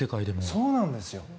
そうなんですよ。